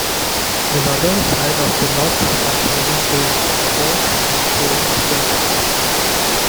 The northern side of the loch has many duns, forts and cairn circles.